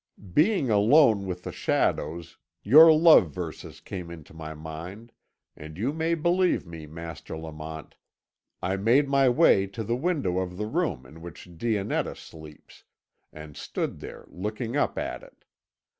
Being alone with the shadows, your love verses came into my mind, and you may believe me, Master Lament, I made my way to the window of the room in which Dionetta sleeps, and stood there looking up at it.